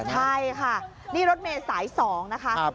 ใช่ค่ะนี่รถเมย์สาย๒นะคะ